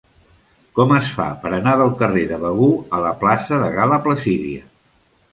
Com es fa per anar del carrer de Begur a la plaça de Gal·la Placídia?